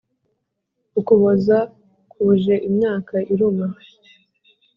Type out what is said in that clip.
Ukuboza kuje imyaka iruma